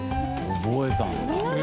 覚えたんだ。